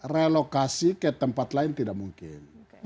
relokasi ke tempat lain tidak mungkin